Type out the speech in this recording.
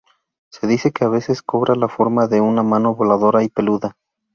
Se dice que, a veces, cobra la forma de una mano voladora y peluda.